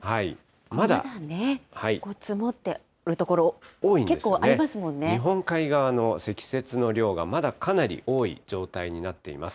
まだ積もっている所、結構あ日本海側の積雪の量がまだかなり多い状態になっています。